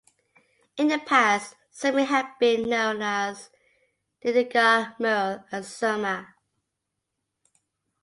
In the past, Surmic had been known as "Didinga-Murle" and "Surma".